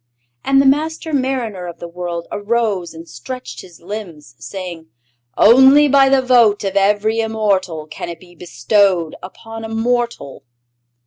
And the Master Mariner of the World arose and stretched his limbs, saying: "Only by the vote of every immortal can it be bestowed upon a mortal."